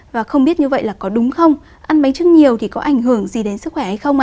và không biết như vậy là có đúng không ăn bánh trưng nhiều thì có ảnh hưởng gì đến sức khỏe hay không ạ